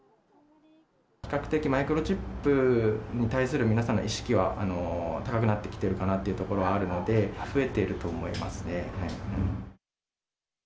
比較的、マイクロチップに対する皆さんの意識は高くなってきているかなというところはあるので、増えていると思いますね。